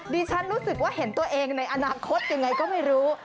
ดิฉันรู้สึกว่าเห็นตัวเองในอนาคตยังไงก็ไม่รู้